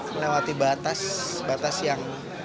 melewati batas batas yang